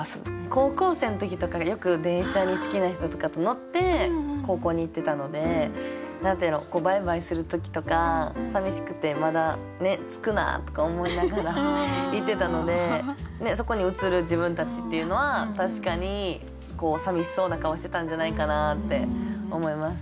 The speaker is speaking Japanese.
高校生の時とかよく電車に好きな人とかと乗って高校に行ってたのでバイバイする時とかさみしくて「まだ着くな」とか思いながら行ってたのでそこに映る自分たちっていうのは確かにさみしそうな顔してたんじゃないかなって思います。